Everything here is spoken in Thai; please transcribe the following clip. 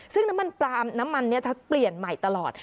ซึ่งน้ำมันปลามน้ำมันนี้จะเปลี่ยนใหม่ตลอด